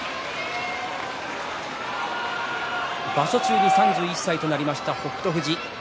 場所中に３１歳となりました北勝富士。